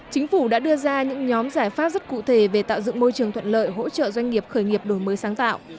chính phủ đã đưa ra những nhóm giải pháp rất cụ thể về tạo dựng môi trường thuận lợi hỗ trợ doanh nghiệp khởi nghiệp đổi mới sáng tạo